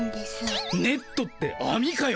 ネットってあみかよ！